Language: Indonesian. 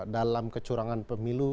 dalam kecurangan pemilu